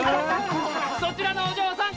そちらのお嬢さん！